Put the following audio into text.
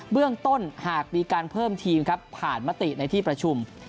เรื่องต้นหากมีการเพิ่มทีมครับผ่านมติในที่ประชุม